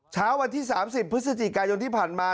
เช้าวันที่๓๐พฤศจิกายนที่ผ่านมา